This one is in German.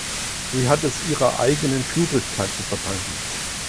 Sie hat es ihrer eigenen Schludrigkeit zu verdanken.